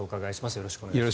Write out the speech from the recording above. よろしくお願いします。